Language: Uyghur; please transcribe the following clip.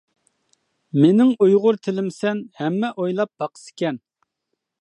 مېنىڭ ئۇيغۇر تىلىمسەن، ھەممە ئويلاپ باقسىكەن!